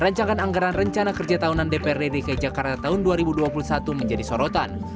rancangan anggaran rencana kerja tahunan dprd dki jakarta tahun dua ribu dua puluh satu menjadi sorotan